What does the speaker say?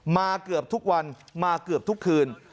เกือบทุกวันมาเกือบทุกคืน